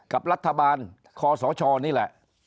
กับรัฐบาลคอสชนี่แหละ